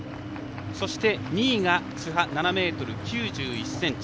そして２位が津波です、７ｍ９１ｃｍ。